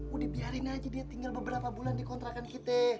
udah biarin aja dia tinggal beberapa bulan dikontrakan kita